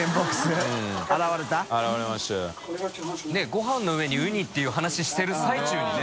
ごはんの上にウニっていう話してる最中にね。